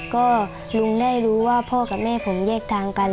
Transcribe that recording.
ก็ลุงได้รู้ว่าพ่อกับแม่ผมแยกทางกัน